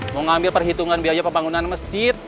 mau ngambil perhitungan biaya pembangunan masjid